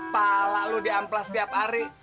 pala lu diamplas tiap hari